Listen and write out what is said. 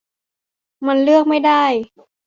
มันเลือกไม่ได้